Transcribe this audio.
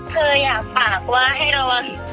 เธออยากฝากว่าให้ระวัง